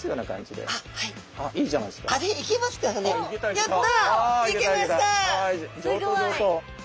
やった！